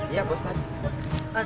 iya pak ustadz